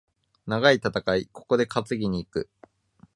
長い戦い、ここで担ぎに行く。